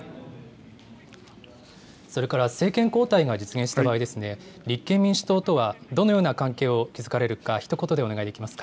それから政権交代が実現した場合、立憲民主党とはどのような関係を築かれるか、ひと言でお願いできますか。